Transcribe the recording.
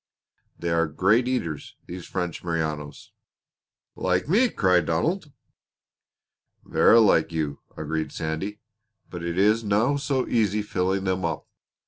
They are great eaters, these French Merinos." "Like me!" cried Donald. "Verra like you!" agreed Sandy. "But it is no so easy filling them up.